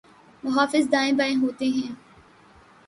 محافظ دائیں بائیں ہوتے ہیں۔